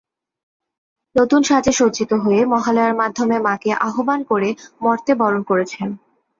নতুন সাজে সজ্জিত হয়ে মহালয়ার মাধ্যমে মাকে আহ্বান করে মর্ত্যে বরণ করেছেন।